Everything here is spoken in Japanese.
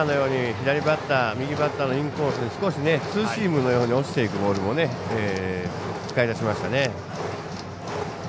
左バッター右バッターのインコースにツーシームのように落ちていくボールも使い出しましたね。